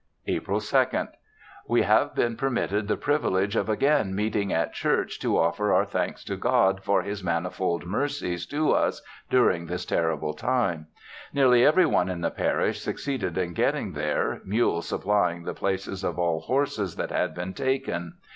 April 2nd. We have been permitted the privilege of again meeting at church to offer our thanks to God for his manifold mercies to us during this terrible time. Nearly every one in the Parish succeeded in getting there, mules supplying the places of all horses that had been taken.